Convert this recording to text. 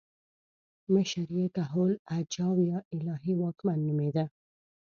مشر یې کهول اجاو یا الهي واکمن نومېده